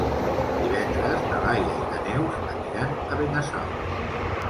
Divendres na Laia i na Neus aniran a Benasau.